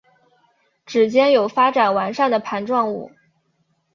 趾尖有发展完善的盘状物。